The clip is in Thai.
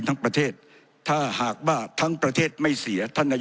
ผมจะขออนุญาตให้ท่านอาจารย์วิทยุซึ่งรู้เรื่องกฎหมายดีเป็นผู้ชี้แจงนะครับ